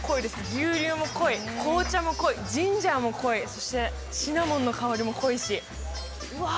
牛乳も濃い紅茶も濃いジンジャーも濃いそしてシナモンの香りも濃いしうわ